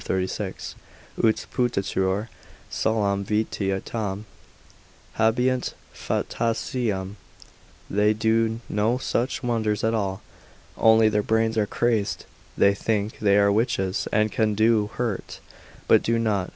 36), ut putatur, solam vitiatam habent phantasiam; they do no such wonders at all, only their brains are crazed. They think they are witches, and can do hurt, but do not.